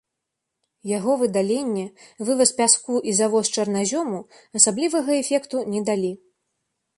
Яго выдаленне, вываз пяску і завоз чарназёму асаблівага эфекту не далі.